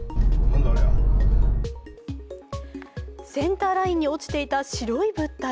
センターラインに落ちていた白い物体。